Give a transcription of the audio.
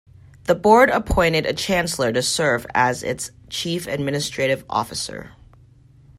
The Board appointed a Chancellor to serve as its chief administrative officer.